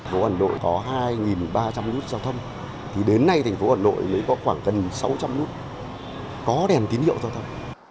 thành phố hà nội có hai ba trăm linh nút giao thông thì đến nay thành phố hà nội mới có khoảng gần sáu trăm linh nút có đèn tín hiệu giao thông